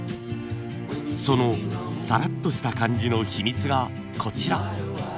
そのさらっとした感じの秘密がこちら。